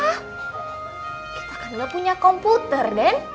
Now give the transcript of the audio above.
kita kan gak punya komputer den